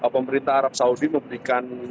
pemerintah arab saudi memberikan